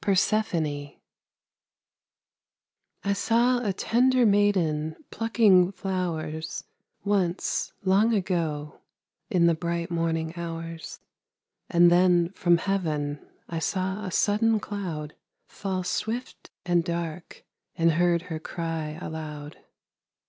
PERSEPHONE I saw a tender maiden plucking flowers Once, long ago, in the bright morning hours; And then from heaven I saw a sudden cloud Fall swift and dark, and heard her cry aloud.